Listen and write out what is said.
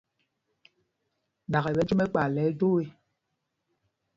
Ɗaka!ɓɛ jwom ɛkpay lɛ ɛjwoo ê.